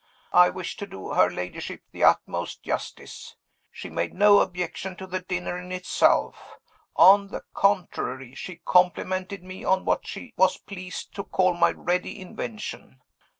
I wish to do her ladyship the utmost justice. She made no objection to the dinner in itself. On the contrary, she complimented me on what she was pleased to call my ready invention.